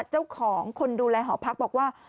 เจ้าของคนดูแลหอพักบอกว่า